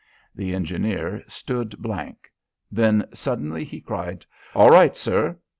The engineer stood blank. Then suddenly he cried: "All right, sir!"